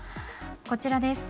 こちらです。